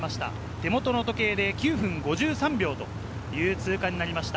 手元の時計で９分５３秒という通過になりました。